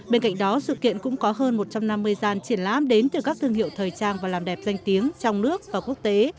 bên cạnh đó sự kiện cũng có hơn một trăm năm mươi gian triển lãm đến từ các thương hiệu thời trang và làm đẹp danh tiếng trong nước và quốc tế